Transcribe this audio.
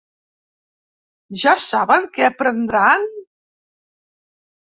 Ja saben què prendran?